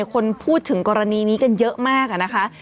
คนพูดถึงกรณีนี้กันเยอะมากนะคะ